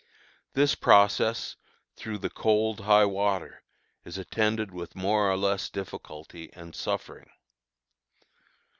This process, through the cold, high water, is attended with more or less difficulty and suffering.